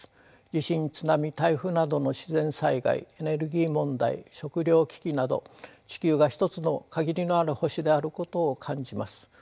地震津波台風などの自然災害エネルギー問題食糧危機など地球が一つの限りのある星であることを感じます。